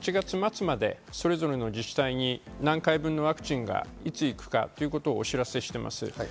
今の時点で８月末まで、それぞれの自治体に何回分のワクチンがいつ行くかということをお知らせしています。